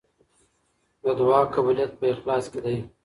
د دعا قبولیت په اخلاص کې دی.